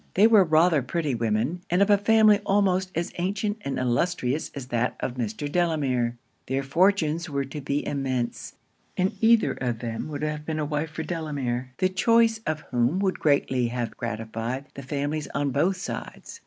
They were rather pretty women; and of a family almost as ancient and illustrious as that of Mr. Delamere. Their fortunes were to be immense; and either of them would have been a wife for Delamere, the choice of whom would greatly have gratified the families on both sides.